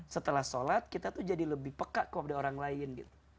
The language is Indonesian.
setelah sholat kita tuh jadi lebih peka kepada orang lain gitu